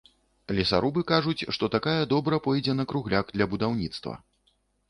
Лесарубы кажуць, што такая добра пойдзе на кругляк для будаўніцтва.